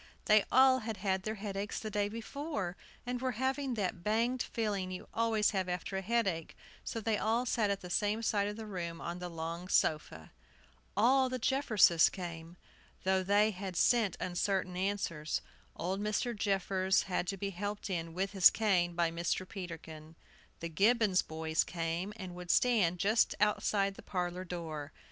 They all had had their headaches the day before, and were having that banged feeling you always have after a headache; so they all sat at the same side of the room on the long sofa. All the Jefferses came, though they had sent uncertain answers. Old Mr. Jeffers had to be helped in, with his cane, by Mr. Peterkin. The Gibbons boys came, and would stand just outside the parlor door.